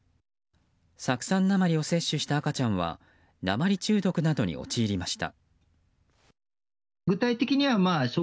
酢酸鉛を摂取した赤ちゃんは鉛中毒などに陥りました。